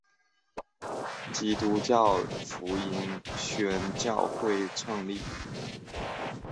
基督教福音宣教会创立。